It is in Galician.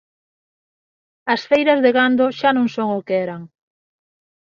As feiras de gando xa non son o que eran.